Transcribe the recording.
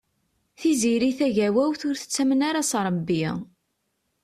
Tiziri Tagawawt ur tettamen ara s Ṛebbi.